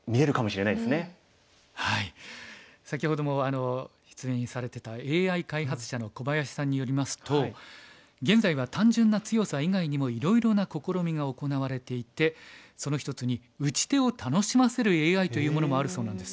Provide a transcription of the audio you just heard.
先ほども出演されてたＡＩ開発者の小林さんによりますと現在は単純な強さ以外にもいろいろな試みが行われていてその一つに打ち手を楽しませるＡＩというものもあるそうなんです。